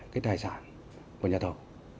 cái tài sản của nhà thầu